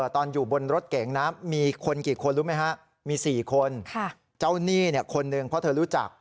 ตอนอยู่บนรถเก๋งนะมีคนกี่คนรู้ไหมฮะมี๔คนเจ้าหนี้คนหนึ่งเพราะเธอรู้จัก